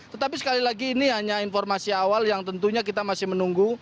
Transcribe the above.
tetapi sekali lagi ini hanya informasi awal yang tentunya kita masih menunggu